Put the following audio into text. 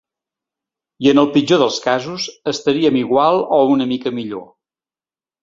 I en el pitjor dels casos, estaríem igual o una mica millor.